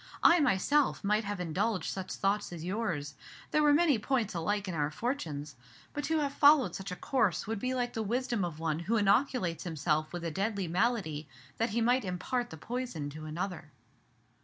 I myself might have indulged such thoughts as yours; there were many points alike in our fortunes: but to have followed such a course would be like the wisdom of one who inoculates himself with a deadly malady that he may impart the poison to another."